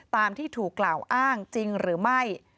ตามที่ถูกกล่าวอ้างจริงหรือไม่